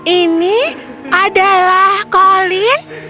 ini adalah colin